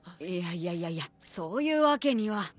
いやいやいやいやそういうわけには。